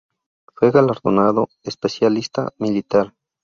Fue galardonado especialista militar.